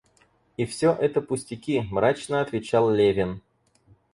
И всё это пустяки, — мрачно отвечал Левин.